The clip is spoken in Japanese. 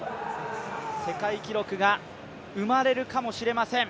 世界記録が生まれるかもしれません。